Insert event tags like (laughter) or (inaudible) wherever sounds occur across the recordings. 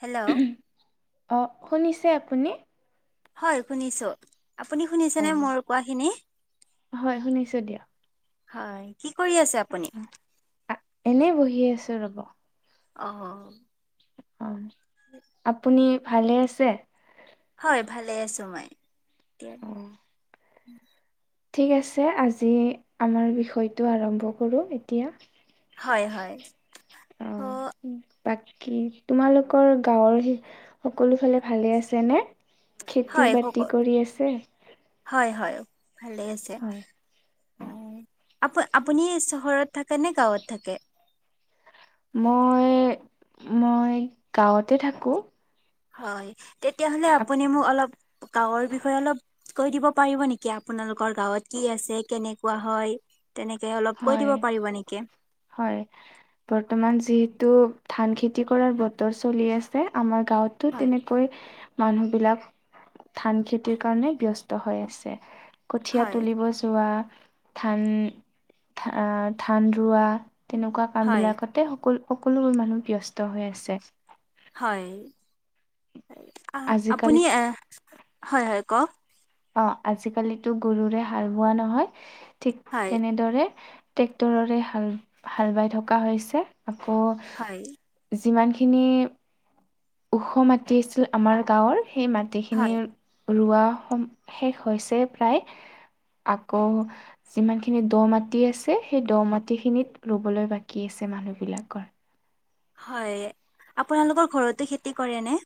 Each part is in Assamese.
হেল্ল' অ শুনিছে আপুনি। হয় শুনিছোঁ। আপুনি অ শুনিছেনে মোৰ কোৱা খিনি হয় শুনিছোঁ দিয়ক। হয়। কি কৰি আছে আপুনি। আ- এনেই বহি আছো ৰব। আহ আহ। অ আপুনি ভালে আছে। হয় ভালে আছোঁ মই। অ' ঠিক আছে আজি আমাৰ বিষয়টো আৰম্ভ কৰো এতিয়া। হয় হয় অ। বাকী তোমালোকৰ গাঁৱৰ সকলো ফালে ভালে আছে নে। খেতি হয় ক বাতি কৰি আছে। হয় হয় ভালে আছে হয়। অ। আপ আপুনি চহৰত থাকে নে গাঁৱত থাকে? মই মই গাঁৱতে থাকোঁ। হয়, তেতিয়াহলে আপুনি মোক অলপ গাঁৱৰ বিষয়ে অলপ। কৈ দিব পাৰিব নেকি আপোনালোকৰ গাঁৱত কি আছে! কেনেকুৱা হয়। তেনেকে অলপ কৈ দিব হয় পাৰিব নেকি হয়, বৰ্তমান যিহেতু। ধান খেতি কৰাৰ বতৰ চলি আছে আমাৰ গাঁৱতো হয় তেনেকৈ। মানুহবিলাক ধান খেতিৰ কাৰণে ব্যস্ত হৈ আছে। কঠীয়া হয় তুলিব যোৱা, ধান ধান ৰোৱা। তেনেকুৱা কাম হয় বিলাকতে সকলো সকলোবোৰ মানুহ ব্যস্ত হৈ আছে। হয় আজিকালি আপুনি হয় হয় কওক। অ আজিকালিতো গৰুৰে হাল বোৱা নহয় ঠিক হয় তেনেদৰে। ট্ৰেক্টৰৰে হাল হাল বাই থকা হৈছে আকৌ। হয় যিমানখিনি ওখ মাতি আছিল আমাৰ গাঁৱৰ। সেই মাটিখিনি হয় ৰোৱা শেষ হৈছে প্ৰায় আকৌ যিমান খিনি দ মাটি আছে, সেই দ মাটি খিনিত ৰুবলৈ বাকী আছে। মানুহ বিলাকৰ। হয় আপোনালোকৰ ঘৰতো খেতি কৰে নে।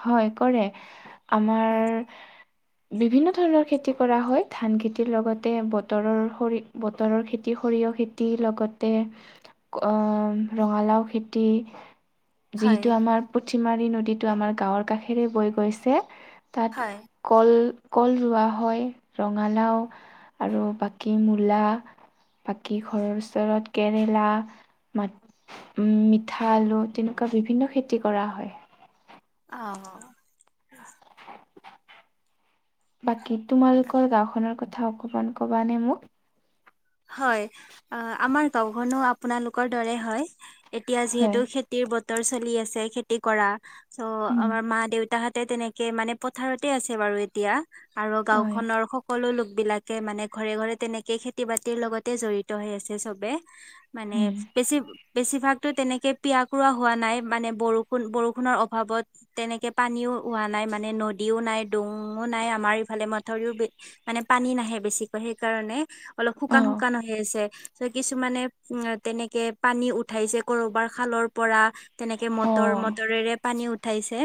হয় কৰে হয় আমাৰ। বিভিন্ন ধৰণৰ খেতি কৰা হয়, ধান খেতিৰ লগতে বতৰৰ সৰিয়হ বতৰৰ খেতি। খেতি লগতে ৰঙালাও খেতি। হয় যিহেতু আমাৰ পুথিমাৰী নদীটো আমাৰ গাঁৱৰ কাষেৰে বৈ গৈছে, তাত হয় কল কল ৰোৱা হয়, ৰঙালাও, আৰু বাকী মূলা বাকী ঘৰৰ ওচৰত কেৰেলা, মা উম, মিঠা আলু, তেনেকুৱা বিভিন্ন খেতি কৰা হয়। অ' - অ'। (unintelligible) বাকী তোমালোকৰ গাঁওখনৰ কথা অকণমান ক'বানে মোক? হয়, অ' আমাৰ গাওঁখনো আপোনালোকৰ দৰে হয়। এতিয়া যিহেতু হয় খেতিৰ বতৰ চলি আছে, খেতি কৰা। ছো উম আমাৰ মা-দেউ তাহঁতে তেনেকে মানে, পথাৰতে আছে বাৰু এতিয়া। আৰু হয় গাঁওখনৰ সকলো লোক বিলাকে মানে ঘৰে - ঘৰে তেনেকে খেতি-বাতিৰ লগতে জড়িত হৈ আছে সবে। মানে উম বেছি বেছিভাগতো তেনেকে পিয়া কৰোৱা হোৱা নাই, মানে বৰষুণ- বৰষুণৰ অভাৱত তেনেকে পানী ও হোৱা নাই, মানে নদীও নাই, ডোঙো নাই, আমাৰ ইফালে। মথাৰিও বে- মানে পানী নাহে বেছি সেই কাৰণে অলপ সুখ অ শুকান - শুকান হৈ আছে। ছো, কিছুমানে উম তেনেকে পানী উঠাইছে ক'ৰবাৰ খালৰ পৰা তেনেকে অ মটৰ- মটৰেৰে পানী উঠাইছে।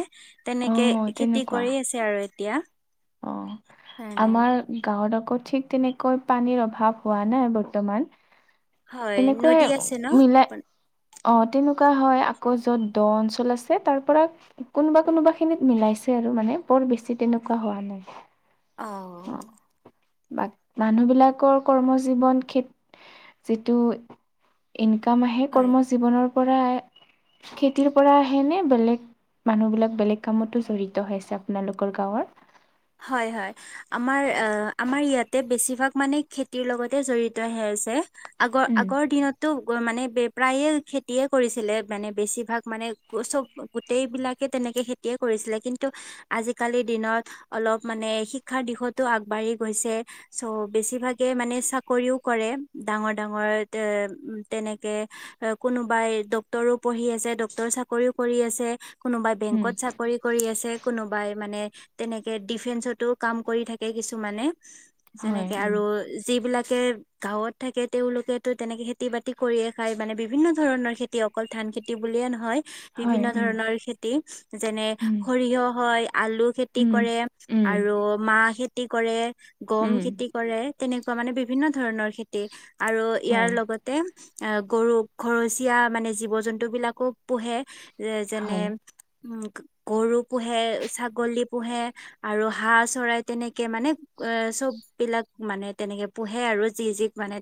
অ তেনেকে খেতি তেনেকুৱা কৰি আছে আৰু এতিয়া। অ'। কাৰণে আমাৰ গাঁৱত আ কো ঠিক তেনেকৈ পানীৰ অভাৱ হোৱা নাই বৰ্তমান। হয় তেনেকুৱাই নদী আছে ন মিলাই- অ' তেনেকুৱা হয় আকৌ য'ত দ' অঞ্চল আছে, তাৰপৰা কোনোবা - কোনোবাখিনিত মিলাইছে আৰু মানে, বৰ বেছি তেনেকুৱা হোৱা নাই। অ অ' বাক- মানুহবিলাক কৰ কৰ্ম-জীৱন ক্ষে- যিটো ইনকাম আহে হয় কৰ্ম-জীৱনৰ পৰা- খেতিৰ পৰা আহে নে বেলেগ মানুহবিলাক বেলেগ কামতো জড়িত আছে আপোনালোকৰ গাঁৱৰ? হয় - হয়। আমাৰ অ' আমাৰ ইয়াতে বেছিভাগ মানে খেতিৰ লগতে জড়িত হে আছে। আগৰ - উম আগৰ দিনতো মানে পে- প্ৰায়ে খেতিয়ে কৰিছিলে মানে, বেছিভাগ মানে চব গোটেইবিলাকে তেনে কে খেতিয়ে কৰিছিলে। কিন্তু আজিকালিৰ দিনত অলপ মানে শিক্ষাৰ দিশতো আগবাঢ়ি গৈছে। ছো বেছিভাগে মানে চাকৰিও কৰে। ডাঙৰ - ডাঙৰ অ'- তেনেকে, কোনোবাই ডক্তৰো পঢ়ি আছে। ড ক্টৰ চাকৰিও কৰি আছে, কোনোবাই উম বেংকত চাকৰি কৰি আছে, কোনোবাই মানে তেনে ডিফেন্সতো কাম কৰি থাকে কিছুমানে। হয় যেনেকে উম আৰু যিবিলা কে গাঁৱত থাকে, তেওঁলোকেতো তেনেকে খেতি-বাতি কৰিয়ে খায়। মানে বিভিন্ন ধৰণৰ খেতি, অকল ধা ন খেতি বুলিয়ে নহয়। হয় বিভিন্ন উম ধৰণৰ খেতি যেনে উম সৰিয়হ হয়, আলু খেতি উম কৰে উম আৰু মাহ খেতি কৰে, গম উম খেতি কৰে। তেনেকুৱা মানে বিভিন্ন ধৰণৰ খেতি। আৰু ইয়াৰ হয় লগতে অ' গৰু- ঘৰচীয়া মানে জীৱ -জন্তুবিলাকো পোহে যে- যেনে, হয় উম- গৰু পোহে, ছাগলী পোহে আৰু হাঁহ চৰায়, তেনেকে মানে অ'- চব বিলাক মানে, তেনেকে পোহে আৰু যি - যিক মানে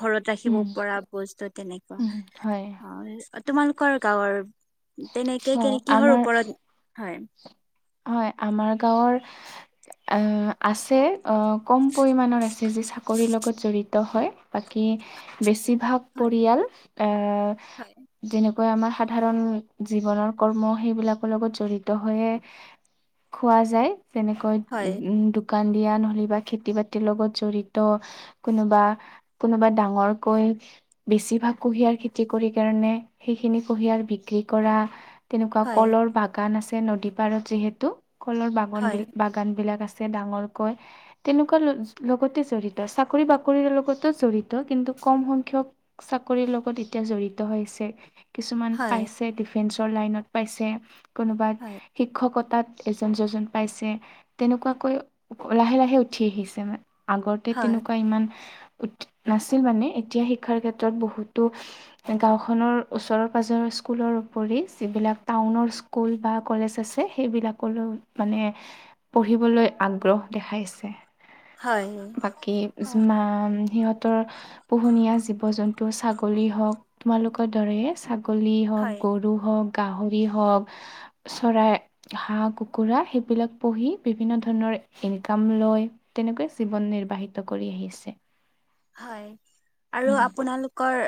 ঘৰত ৰাখিব উম পৰা বস্তু তেনেকুৱা। উম হয় অ'- তোমালোকৰ গাঁৱৰ তেনেকে হয় কেনে- কিহৰ আমাৰ ওপৰত হয়? হয়, আমাৰ গাঁৱৰ অ' আছে অ' কম পৰিমাণৰ আছে, যি চাকৰিৰ লগত জড়িত হয়। বাকী বেছি ভাগ পৰিয়াল অ' হয় যেনে কৈ আমাৰ সাধাৰণ জীৱনৰ কৰ্ম সেইবিলাকৰ লগত জড়িত হৈয়ে খোৱা যায় যেনেকৈ হয় শুকান দিয়া নিদিবা বা খেতি -বাতিৰ লগত জড়িত কোনোবা কোনোবা ডাঙৰকৈ বেছিভাগ কুঁহিয়াৰ খেতি কৰি কাৰণে সেইখিনি কুঁহিয়াৰ বিক্ৰী কৰা তেনেকুৱা হয় কলৰ বাগান আছে নদী পাৰত যিহেতু কলৰ বাগান বি হয় বাগান বিলাক আছে। ডাঙৰকৈ তেনেকুৱা লগতে জড়িত চাকৰি বাকৰিৰ লগতো জড়িত কিন্তু কম সংখ্যক চাকৰিৰ লগত এতিয়া জড়িত হৈছে কিছুমান হয় পাইছে ডিফেন্সৰ লাইনত পাইছে কোনোবা হয় শিক্ষকতাত এজন দুজন পাইছে তেনেকুৱাকৈ লাহে লাহে উঠি আহিছে মানে আগতে হয় তেনেকুৱা ইমান উ নাছিল মানে এতিয়া শিক্ষাৰ ক্ষেত্ৰত বহুতো গাওখনৰ ওচৰৰ -পাজৰ স্কুলৰ উপৰি যিবিলাক টাউনৰ স্কুল বা কলেজ আছে সেইবিলাকলৈ মানে পঢ়িবলৈ আগ্ৰহ দেখাইছে। হয় হয় বাকী অ যিমান সিহঁতৰ পোহনীয়া জীৱ-জন্তু ছাগলী হওক তোমালোকৰ দৰেই ছাগ গলি হওক, হয় গৰু হওঁক, গাহৰি হওঁক চৰাই, হাঁহ-কুকুৰা সেইবিলাক পুহি বিভিন্ন ধৰণৰ ইনকাম লয়। তেনেকুৱা জীৱন নিৰ্বাহিত কৰি আহিছে। হয় আৰু উম, আপোনালোকৰ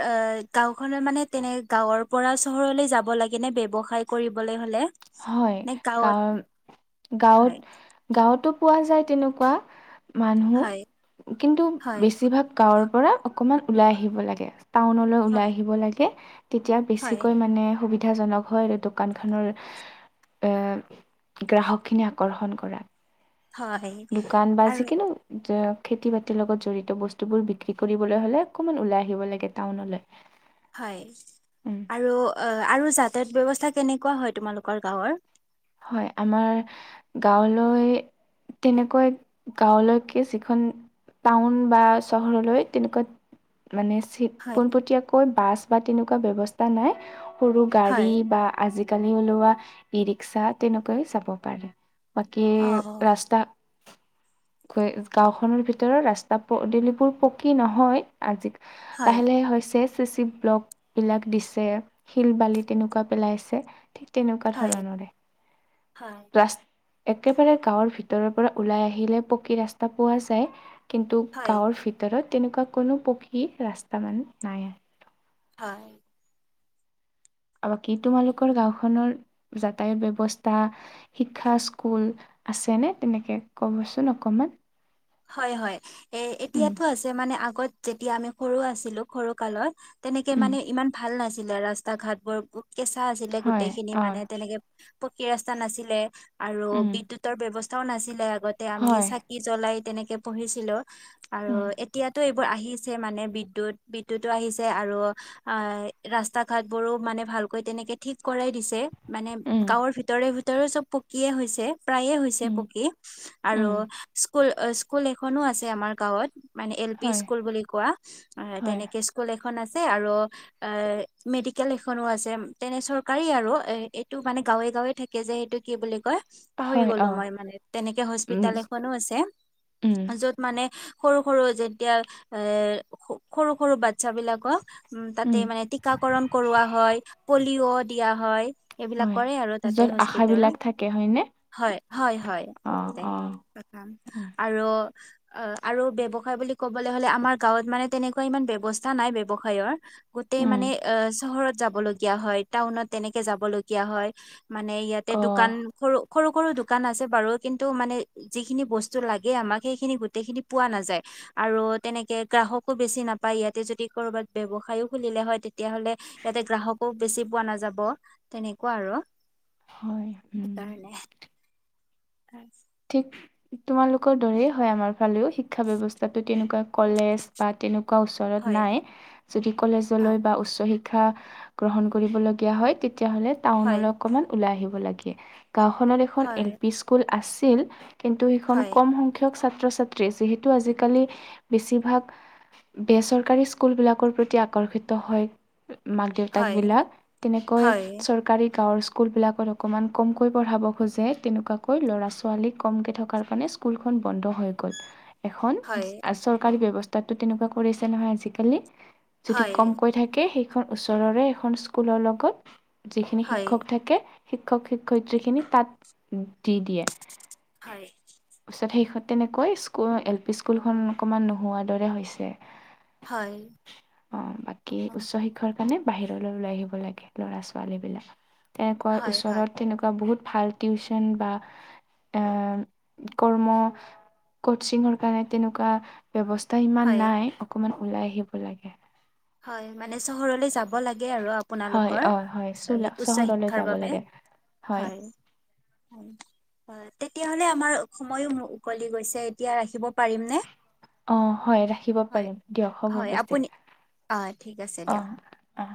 গাঁওখনৰ মানে তেনে গাঁৱৰ পৰা চহৰলৈ যাব লাগে নে ব্যৱসায় কৰিবলৈ হ'লে। হয় নে গাঁৱত গাৱৰ হয় গাঁৱত গাঁৱতো পোৱা যায় তেনেকুৱা। হয় মানুহ কিন্তু হয় বেছিভাগ গাঁৱৰ পৰা অকমান ওলাই আহিব লাগে। টাউনলৈ হয় ওলাই আহিব লাগে, তেতিয়া হয় বেছিকৈ মানে সুবিধা সুবিধাজনক হয় আৰু দোকানখনৰ এ, গ্ৰাহক খিনি আকৰ্ষণ কৰা। হয় দোকান বা আৰু জিকিনো যে খেতি-বাতিৰ লগত জড়িত বস্তুবোৰ বিক্ৰী কৰিবলৈ হ'লে অকণমান ওলাই আহিব লাগে টাউনলৈ। হয় উম, আৰু আৰু যাতা য়ত ব্যৱস্থা কেনেকুৱা হয় তোমালোকৰ গাঁৱৰ? হয়, আমাৰ গাঁৱলৈ তেনেকৈ গাঁৱলৈকে যিখন টাউন বা চহৰলৈ তেনেকুৱা মানে চিট হয় পোনপটীয়াকৈ বাছ বা তেনেকুৱা ব্যৱস্থা নাই। সৰু গাড়ী হয় বা আজিকালি ওলোৱা ই ৰিক্সা তেনেকৈ যাব পাৰে। বাকি অ ৰাস্তা গাওখনৰ ভিতৰত ৰাস্তা পদূলিবোৰ পকী নহয়। আজি লাহে হয় লাহে হৈছে। চিচি ব্লক বিলাক দিছে শিল বালি তেনেকুৱা পেলাইছে। ঠিক তেনেকুৱা হয় ধৰণৰে। হয়। ৰাচ একেবাৰে গাঁৱৰ ভিতৰৰ পৰা ওলাই আহিলে পকী ৰাস্তা পোৱা যায়। কিন্তু হয় গাঁৱৰ ভিতৰত তেনেকুৱা কোনো পকী ৰাস্তা মানে নাই। হয়। বাকী তোমালোকৰ গাঁওখনৰ যাতায়ত ব্যৱ্স্থা শিক্ষা স্কুল আছেনে? তেনেকে ক'বচোন অকণমান। হয়, হয় এ এতিয়াতো আছে মানে আগত যেতিয়া আমি সৰু আছিলো সৰু কালত তেনেকে উম মানে ইমান ভাল নাছিলে। ৰাস্তা-ঘাট বোৰ কেঁচা আছিলে। হয় গোটেই খিনি অ মানে তেনেকে পকী ৰাস্তা নাছিলে, আৰু উম বিদ্যুতৰ ব্যৱস্থাও নাছিলে আগতে আমি চাকি জ্বলাই তেনেকে পঢ়িছিলো আৰু এতিয়াতো এই তোৰ আহিছে মানে বিদ্যুত। বিদ্যুতো আহিছে আৰু অ' ৰাস্তা-ঘাট বোৰো মানে ভাল ভালকৈ তেনেকে ঠিক কৰাই দিছে মানে গাঁৱৰ ভিতৰে ভিতৰে চব পকিয়ে হৈছে। প্ৰায়ে হৈছে পকী আৰু স্কুল, স্কুল এখনো আছে আমাৰ গাঁৱত। মানে এল পি স্কুল বুলি কোৱা। অ' তেনেকে স্কুল এখন আছে আৰু এ মেডিকেল এখনো আছে তেনে চৰকাৰী আৰু এ এইটো মানে গাঁৱে-গাঁৱে থাকে যে সেইটো কি বুলি কয়? পাহৰি গলো মই মানে। তেনেকে উম, হস্পিটেলত এখনো আছে উম, যত মানে সৰু-সৰু যেতিয়া এ সৰু-সৰু বাচ্ছা বিলাকক উম, তাতে মানে টীকাকৰণ কৰোৱা হয় পলিঅ' দিয়া হয়। সেইবিলাক হয়। কৰে আৰু তাতে য'ত হস্পিতেলত। আশাবিলাক থাকে হয়নে? হয়, হয়, হয় অ', অ', আৰু উম, আৰু অ, আৰু ব্যৱসায় বুলি ক'বলৈ হলে আমাৰ গাঁৱত মানে তেনেকুৱা ইমান ব্যৱস্থা নাই ব্যৱসায় গোটেই উম, মানে চহৰত যাব লগীয়া হয়। টাউনত তেনেকে যাবলগীয়া হয়। মানে ইয়াতে দোকান অ', সৰু, সৰু সৰু দোকান আছে বাৰু কিন্তু মানে যিখিনি বস্তু লাগে আমাক সেইখিনি গোতেই খিনি পোৱা নাযায় আৰু তেনেকে গ্ৰাহকো বেছি নাপায় ইয়াতে যদি কৰবাত ব্যৱসায়ও খুলিলে হয় তেতিয়া হলে ইয়াতে গ্ৰাহকো বেছি পোৱা নাযাব তেনেকুৱা আৰু হয় উম হয় ঠিক তোমালোকৰ দৰেই হয় আমাৰ ফালেও শিক্ষা ব্যৱস্থাটো তেনেকুৱা কলেজ বা তেনেকুৱা ওচৰত হয়, নাই যদি হয়। কলেজলৈ বা উচ্চ শিক্ষা শিক্ষা গ্ৰহণ কৰিবলগীয়া হয় তেতিয়াহলে হয় টাউনলৈ অকমান ওলাই আহিব লাগে গাঁওখনত এ হয় এল পি স্কুল আছিল কিন্তু সেইখন হয় কম সংখ্যক ছাত্ৰ ছাত্ৰী যিহেতু আজিকালি বেছিভাগ বেচৰকাৰী স্কুলবিলাকৰ প্ৰতি আকৰ্ষিত হয়। মাক দেউতাক হয় বিলাক তেনেকৈ হয় চৰকাৰী গাঁৱৰ। স্কুল বিলাকত অকণমান কমকৈ পঢ়াব খোজে তেনেকুৱাকৈ ল'ৰা ছোৱালী ছোৱালী কমকে থকা কাৰণে স্কুলখন বন্ধ হৈ গল। এখন হয় চৰকাৰি ব্যব তাতো তেনেকুৱা কৰিছে নহয় আজিকালি যদি হয় কমকৈ থাকে এখন ওচৰৰে এখন স্কুলৰ লগত যিখিনি হয় শিক্ষক থাকে শিক্ষক শিক্ষয়িত্ৰীখিনি তাত দি দিয়ে হয় তাৰপিছত সেইষত তেনেকৈ স্কুল এল পি স্কুলখন অকণমান নোহোৱাৰ দৰে হৈছে হয় অ বাকী উচ্চ শিক্ষাৰ সেইকাৰণে বাহিৰলৈ ওলাই আহিব লাগে ল'ৰা ছোৱালী বিলাক তেনেকৈ হয় হয় ওচৰত তেনেকুৱা বহুত ভাল টিউচন বা এ কৰ্ম কচিঙৰ কাৰণে তেনেকুৱা ব্যৱস্থা ইমান হয় নাই অকমান ওলাই আহিব লাগে। হয় মানে চহৰলৈ যাব। লাগে আৰু হয় আপোনালোকৰ অ', হয় চোলা উচ্চ চহৰলৈ শিক্ষাৰ যাব বাবে লাগে হয়। হয় অ তেতিয়াহলে আমাৰ সময়ো উকলি গৈছে এতিয়া ৰাখিব পাৰিমনে। অ', হয় ৰাখিব হয় পাৰিম দিয়ক হ'ব হয় পিছে আপুনি অ ঠিক আছে দিয়ক। অ', অ'।